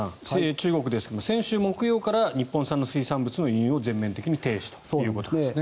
中国ですが先週木曜日から日本産の水産物の輸入を全面的に停止ということですね。